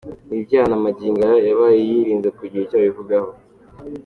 Ni ibyaha na magingo aya yabaye yirinze kugira icyo abivugaho.